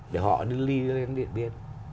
để họ đi ly lên điện biên